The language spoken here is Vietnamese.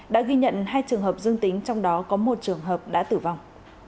đã ghi nhận hai trường hợp dương tính trong đó có một trường hợp đã tử vong